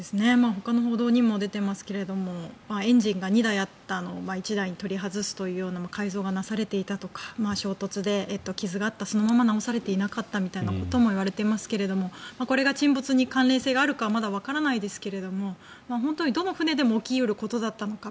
ほかの報道にも出ていますけれどエンジンが２台あったのを１台に取り外すというような改造がなされていたとか衝突で傷があったそのまま直されていなかったみたいなことも言われていますけれどこれが沈没に関連性があるかどうかはまだわからないですが本当にどの船でも起き得ることだったのか。